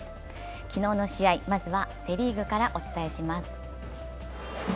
昨日の試合、まずはセ・リーグからお伝えします。